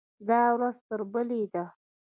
دا ورځ تر بلې ده.